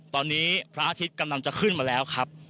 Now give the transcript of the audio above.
ตอนนี้พระอาทิตย์กำลังจะขึ้นมาแล้วครับ